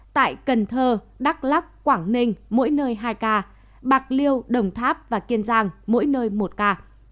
tại cần thơ đắk lắc quảng ninh mỗi nơi hai ca bạc liêu đồng tháp và kiên giang mỗi nơi một ca